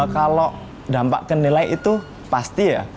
kalau dampak kenilai itu pasti ya